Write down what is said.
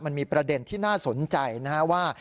มันมีประเด็นที่น่าสนใจนะฮะว่า